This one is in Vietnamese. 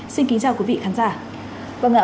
xin kính chào quý vị khán giả